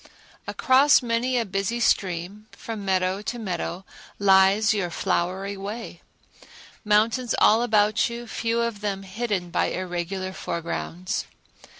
Across many a busy stream, from meadow to meadow, lies your flowery way; mountains all about you, few of them hidden by irregular foregrounds.